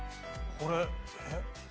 これえっ？